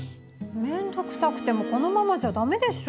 めんどくさくてもこのままじゃダメでしょ。